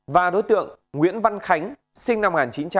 và đối tượng nguyễn văn khánh sinh năm một nghìn chín trăm chín mươi ba